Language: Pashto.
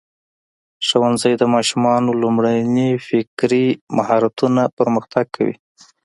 ښوونځی د ماشومانو لومړني فکري مهارتونه پرمختګ کوي.